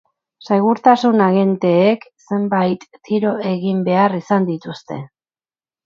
Segurtasun agenteek zenbait tiro egin behar izan dituzte.